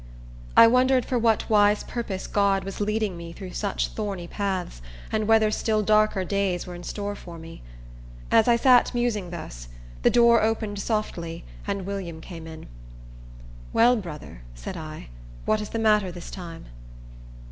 I wondered for what wise purpose God was leading me through such thorny paths, and whether still darker days were in store for me. As I sat musing thus, the door opened softly, and William came in. "Well, brother," said I, "what is the matter this time?"